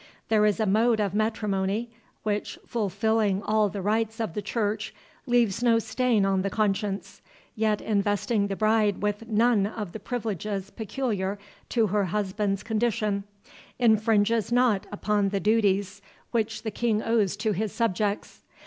There is a mode of matrimony, which, fulfilling all the rites of the Church, leaves no stain on the conscience; yet investing the bride with none of the privileges peculiar to her husband's condition, infringes not upon the duties which the King owes to his subjects.